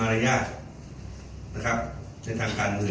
คลอบค่าสิทธิการตามการซอมประเทศไทย